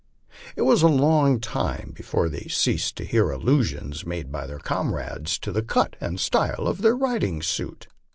It was a long time before they ceased to hear allusions made by their comrades to the cut and style of their riding suit.